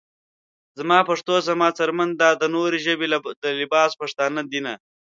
زما پښتو زما څرمن ده دا نورې ژبې د لباس پشانته دينه